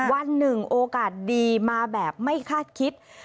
วันหนึ่งโอกาสดีมาแบบไม่คาดคิด